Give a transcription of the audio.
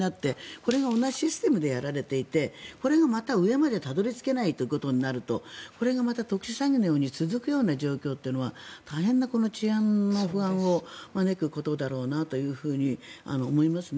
これが同じシステムでやられていてこれがまた上までたどり着けないとなるとこれがまた特殊詐欺のように続くような状況というのは大変な治安の不安を招くことだろうなと思いますね。